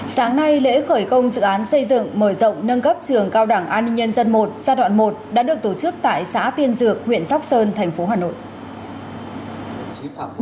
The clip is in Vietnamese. sáng nay lễ khởi công dự án xây dựng mở rộng nâng cấp trường cao đảng an ninh nhân dân một giai đoạn một đã được tổ chức tại xã tiên dược huyện sóc sơn thành phố hà nội